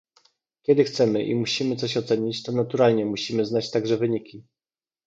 Kiedy chcemy i musimy coś ocenić, to naturalnie musimy znać także wyniki